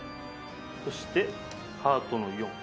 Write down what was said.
そしてハートの４。